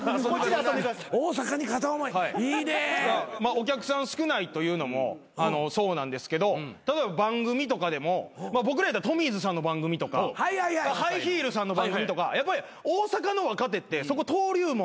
お客さん少ないというのもそうなんですけど例えば番組とかでも僕らやったらトミーズさんの番組とかハイヒールさんの番組とかやっぱり大阪の若手ってそこ登竜門。